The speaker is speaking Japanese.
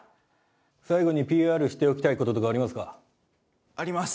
最後にＰＲしておきたいこととかありますあります！